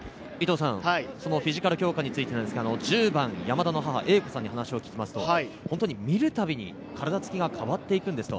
フィジカル強化について、１０番・山田の母・えいこさんに話を聞きますと、見るたびに体つきが変わっていくんですと。